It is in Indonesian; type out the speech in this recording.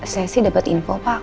saya sih dapat info pak